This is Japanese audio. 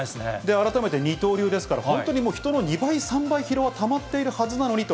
改めて二刀流ですから、本当にもう、人の２倍、３倍、疲労はたまっているはずなのにと。